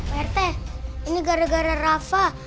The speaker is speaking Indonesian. pak rt ini gara gara rafa